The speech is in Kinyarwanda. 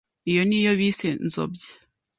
iyo ni yo bise nzobya.